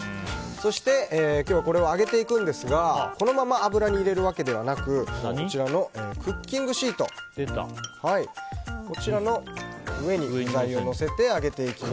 今日はこれを揚げていくんですがこのまま油に入れるわけではなくこちらのクッキングシートの上に具材をのせて揚げていきます。